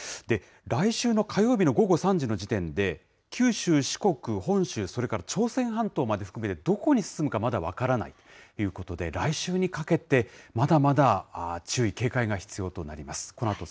来週の火曜日の午後３時の時点で、九州、四国、本州、それから朝鮮半島まで含めて、どこに進むか、まだ分からないということで、来週にかけて、まだまだ注意、警戒が必要となります。